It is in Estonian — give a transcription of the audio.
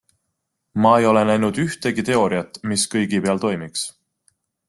Ma ei ole näinud ühtegi teooriat, mis kõigi peal toimiks.